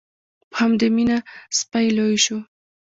په همدې مینه سپی لوی شو.